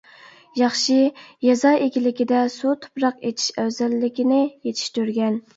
ياخشى، يېزا ئىگىلىكىدە سۇ-تۇپراق ئېچىش ئەۋزەللىكىنى يېتىشتۈرگەن.